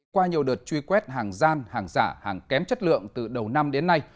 qua nhiều đợt truy quét hàng gian hàng giả hàng kém chất lượng từ đầu năm đến nay